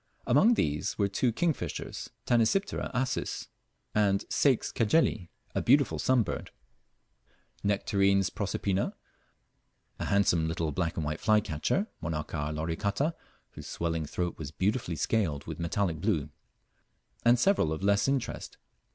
Among these were two kingfishers, Tanysiptera acis and Ceyx Cajeli; a beautiful sunbird, Nectarines proserpina; a handsome little black and white flycatcher, Monarcha loricata, whose swelling throat was beautifully scaled with metallic blue; and several of less interest.